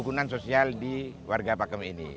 kami yang vemos mereka brett pun mempercepat agama ini